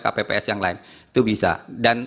kpps yang lain itu bisa dan